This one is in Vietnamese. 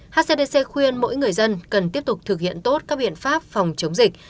hcdc khuyên mỗi người dân cần tiếp tục thực hiện tốt các biện pháp phòng chống dịch